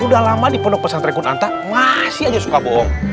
udah lama dipendok pesan trekun anta masih aja suka bohong